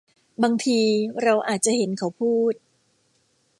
บางที เราอาจจะเห็นเขาพูด